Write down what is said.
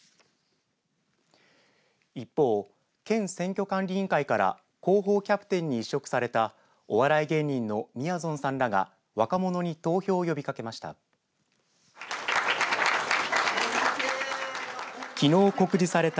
一方、県選挙管理委員会から広報キャプテンに委嘱されたお笑い芸人のみやぞんさんらが若者に投票を呼びかけました。